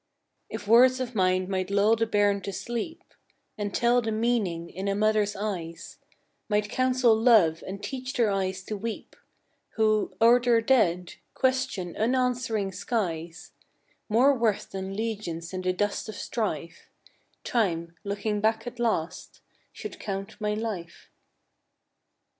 If words of mine might lull the bairn to sleep, And tell the meaning in a mother's eyes; Might counsel love, and teach their eyes to weep Who, o'er their dead, question unanswering skies, More worth than legions in the dust of strife, Time, looking back at last, should count my life.